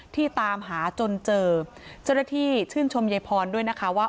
ตามหาจนเจอเจ้าหน้าที่ชื่นชมยายพรด้วยนะคะว่า